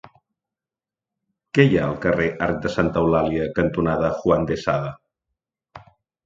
Què hi ha al carrer Arc de Santa Eulàlia cantonada Juan de Sada?